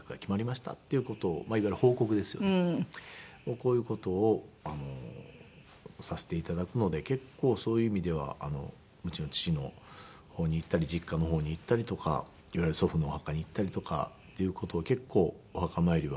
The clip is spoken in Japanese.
こういう事をさせて頂くので結構そういう意味ではもちろん父の方に行ったり実家の方に行ったりとか祖父のお墓に行ったりとかっていう事を結構お墓参りは。